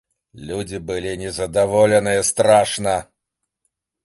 Людзі былі незадаволеныя страшна.